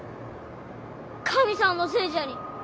神さんのせいじゃに。